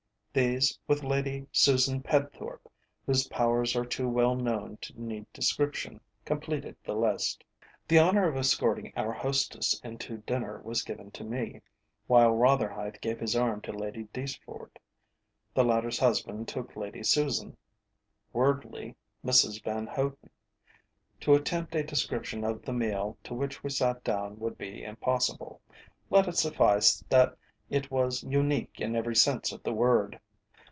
These, with Lady Susan Pedthorpe, whose powers are too well known to need description, completed the list. The honour of escorting our hostess into dinner was given to me, while Rotherhithe gave his arm to Lady Deeceford; the latter's husband took Lady Susan; Wordley, Mrs Van Hoden. To attempt a description of the meal to which we sat down would be impossible; let it suffice that it was unique in every sense of the word.